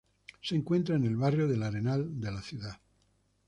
Se encuentra en el barrio del Arenal de la ciudad.